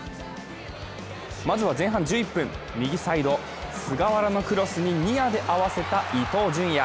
まずは前半１１分、右サイド・菅原のクロスにニアで合わせた伊東純也。